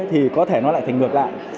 thì có thể nó lại thành ngược lại